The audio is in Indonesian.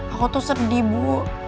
aku tuh sedih bu